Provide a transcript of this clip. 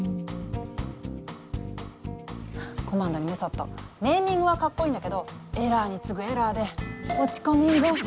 「コマンド」に「メソッド」ネーミングはかっこいいんだけどエラーにつぐエラーで落ち込みんぐ。